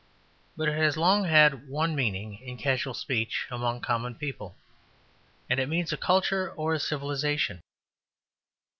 But it has long had one meaning in casual speech among common people, and it means a culture or a civilization.